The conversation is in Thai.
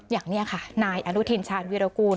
อย่างนี้ค่ะนายอนุทินชาญวิรากูล